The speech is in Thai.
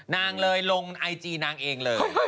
นางเลยลงไอจีนางเองเลย